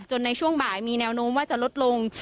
ในช่วงบ่ายมีแนวโน้มว่าจะลดลง